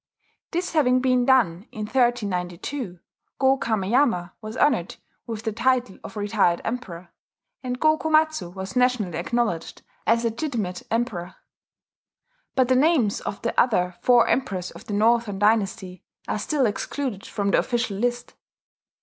This having been done, in 1392, Go Kameyama was honoured with the title of retired Emperor, and Go Komatsu was nationally acknowledged as legitimate Emperor. But the names of the other four Emperors of the Northern Dynasty are still excluded from the official list.